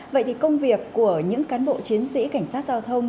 vậy thì công việc của những cán bộ chiến sĩ cảnh sát giao thông